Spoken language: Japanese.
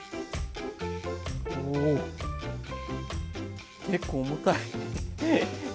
おお結構重たい。